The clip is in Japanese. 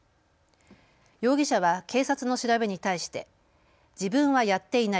容疑者は警察の調べに対して自分はやっていない。